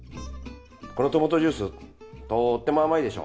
このトマトジュースとっても甘いでしょ。